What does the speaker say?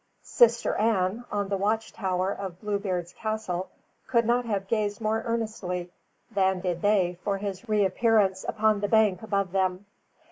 "Sister Ann" on the watch tower of Bluebeard's castle could not have gazed more earnestly than did they for his reappearance upon the bank above them.